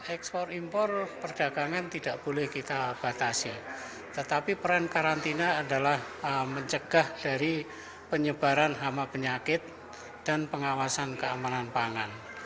ekspor impor perdagangan tidak boleh kita batasi tetapi peran karantina adalah mencegah dari penyebaran hama penyakit dan pengawasan keamanan pangan